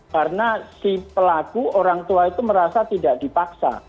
karena si pelaku orang tua itu merasa tidak dipaksa